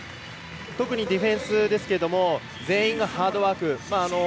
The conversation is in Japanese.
特にディフェンスですけども全員がハードワーク。